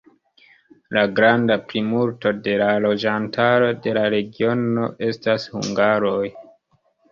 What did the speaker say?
La granda plimulto de la loĝantaro de la regiono estas hungaroj.